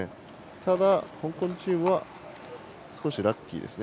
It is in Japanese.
ただ、香港チームは少しラッキーですね。